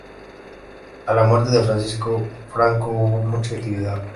A la muerte de Francisco Franco hubo mucha actividad.